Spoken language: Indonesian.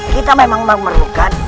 kita memang memerlukan